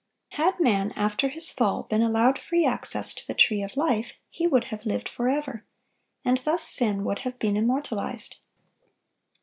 Had man, after his fall, been allowed free access to the tree of life, he would have lived forever, and thus sin would have been immortalized.